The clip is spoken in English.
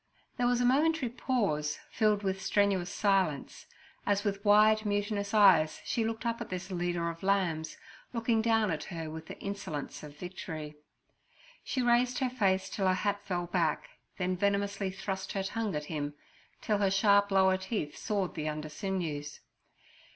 There was a momentary pause, filled with strenuous silence, as with wide, mutinous eyes she looked up at this leader of lambs, looking down at her with the insolence of victory. She raised her face till her hat fell back, then venomously thrust her tongue at him, till her sharp lower teeth sawed the under sinews.